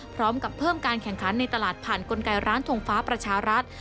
พร้อมกับเพิ่มการแข่งขันในตลาดผ่านกลไกร้านทงฟ้าประชารัฐ